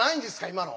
今の。